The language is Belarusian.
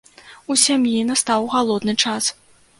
У сям'і настаў галодны час.